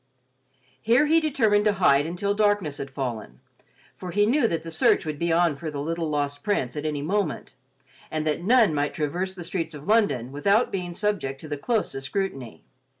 Here he determined to hide until darkness had fallen, for he knew that the search would be on for the little lost Prince at any moment, and that none might traverse the streets of London without being subject to the closest scrutiny.